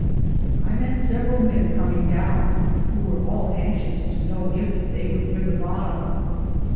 I met several men coming down, who were all anxious to know if they were near the bottom.